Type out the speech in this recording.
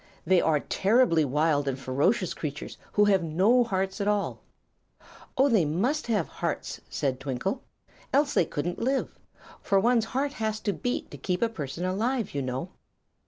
They are terribly wild and ferocious creatures, who have no hearts at all." "Oh, they must have hearts," said Twinkle, "else they couldn't live. For one's heart has to beat to keep a person alive, you know."